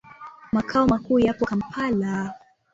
Makao makuu yapo Kampala.